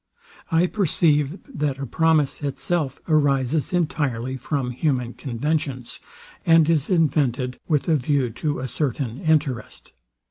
I perceive, that a promise itself arises entirely from human conventions, and is invented with a view to a certain interest.